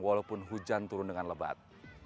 walaupun hujan turun dengan lebat